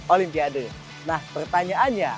olimpiade nah pertanyaannya